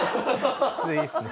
きついっすね。